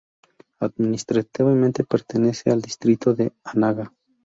Administrativamente pertenece al Distrito de Anaga.